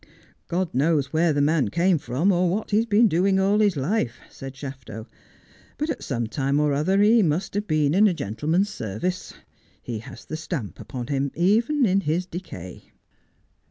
' God knows where the man came from, or what he has been doing all his life,' said Shafto, ' but at some time or other he must have been in a gentleman's service. He has the stamp upon him even in his decay.'